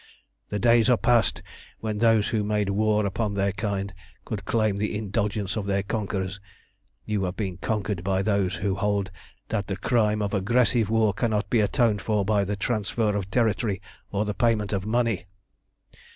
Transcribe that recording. The days are past when those who made war upon their kind could claim the indulgence of their conquerors. You have been conquered by those who hold that the crime of aggressive war cannot be atoned for by the transfer of territory or the payment of money.